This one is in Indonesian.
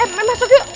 eh masuk yuk